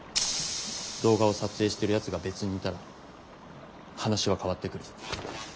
動画を撮影してるやつが別にいたら話は変わってくる。